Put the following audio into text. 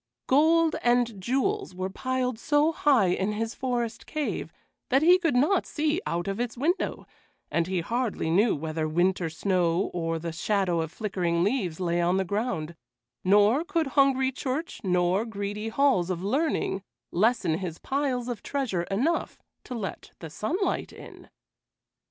Gold and jewels were piled so high in his forest cave that he could not see out of its window, and he hardly knew whether winter snow or the shadow of flickering leaves lay on the ground, nor could hungry church nor greedy halls of learning lessen his piles of treasure enough to let the sunlight in.